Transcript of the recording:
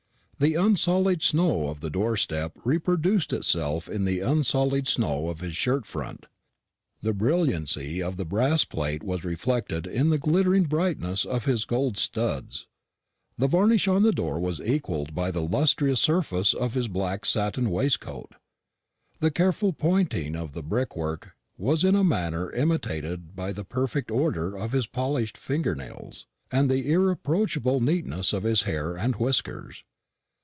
The unsullied snow of the door step reproduced itself in the unsullied snow of his shirt front; the brilliancy of the brass plate was reflected in the glittering brightness of his gold studs; the varnish on the door was equalled by the lustrous surface of his black satin waistcoat; the careful pointing of the brickwork was in a manner imitated by the perfect order of his polished finger nails and the irreproachable neatness of his hair and whiskers.